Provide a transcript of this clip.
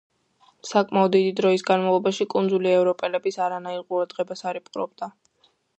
საკმაოდ დიდი დროის განმავლობაში კუნძული ევროპელების არანაირ ყურადღებას არ იპყრობდა.